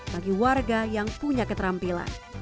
bagi warga yang punya keterampilan